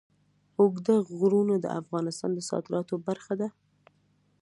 اوږده غرونه د افغانستان د صادراتو برخه ده.